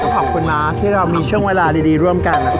ขอบคุณนะที่เรามีช่วงเรียบรวมกันนะแซส